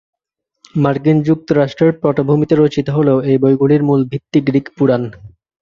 মার্কিন যুক্তরাষ্ট্রের পটভূমিতে রচিত হলেও এই বইগুলির মূল ভিত্তি গ্রিক পুরাণ।